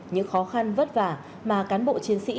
những khó khăn vất vả mà cán bộ chiến sĩ